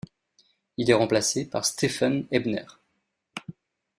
Il est remplacé par Stephan Ebner.